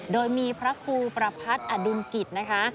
โดยมีพระครูประพัทธ์อดุลกิจนะคะ